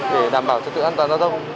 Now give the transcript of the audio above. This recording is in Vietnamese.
để đảm bảo trật tự an toàn giao thông